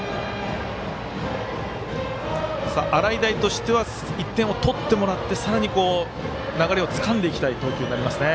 洗平としては１点を取ってもらってさらに流れをつかんでいきたい投球になりますね。